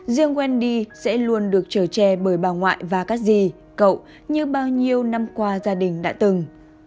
riêng wendy sẽ luôn được trở tre bởi bà ngoại và các dì cậu như bao nhiêu năm qua gia đình đã từng